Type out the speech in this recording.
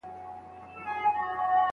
هغوی خپل وخت بې ځایه نه ضایع کوي.